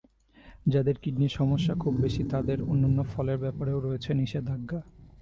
যাঁদের কিডনির সমস্যা খুব বেশি, তাঁদের অন্যান্য ফলের ব্যাপারেও রয়েছে নিষেধাজ্ঞা।